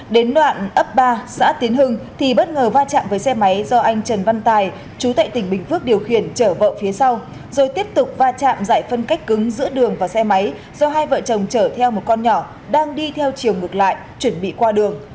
đến đoạn ấp ba xã tiến hưng thì bất ngờ va chạm với xe máy do anh trần văn tài chú tệ tỉnh bình phước điều khiển chở vợ phía sau rồi tiếp tục va chạm giải phân cách cứng giữa đường và xe máy do hai vợ chồng chở theo một con nhỏ đang đi theo chiều ngược lại chuẩn bị qua đường